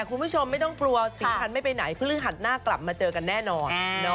คุณผู้ชมไม่ต้องกลัวสีคันไม่ไปไหนพฤหัสหน้ากลับมาเจอกันแน่นอน